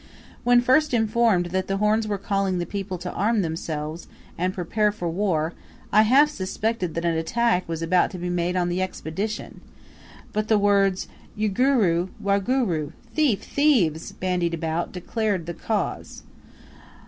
When first informed that the horns were calling the people to arm themselves, and prepare for war, I half suspected that an attack was about to be made on the Expedition; but the words "Urugu, warugu" (thief! thieves!) bandied about, declared the cause.